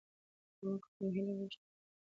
تمه کول مو هیلې وژني